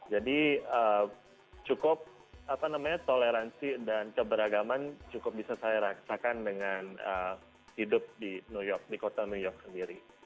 jadi cukup toleransi dan keberagaman cukup bisa saya raksakan dengan hidup di new york di kota new york sendiri